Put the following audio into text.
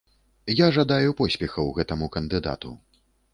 Я жадаю поспехаў гэтаму кандыдату.